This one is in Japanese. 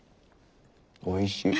おいしい。